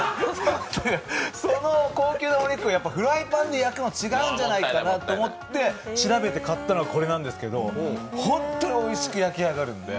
その高級なお肉をフライパンで焼くの、違うんじゃないかなと思って調べて買ったのがこれなんですけど本当においしく焼き上がるんで。